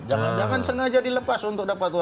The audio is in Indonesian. jangan jangan sengaja dilepas untuk dapat uang